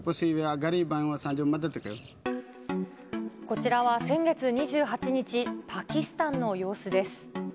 こちらは先月２８日、パキスタンの様子です。